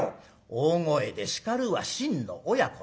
大声で叱るは真の親子なり。